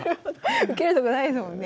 受けるとこないですもんね。